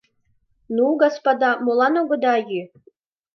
Ну, господа, молан огыда йӱ?